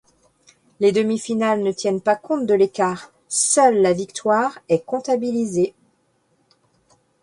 Les demi-finales ne tiennent pas compte de l'écart, seule la victoire est comptabilisée.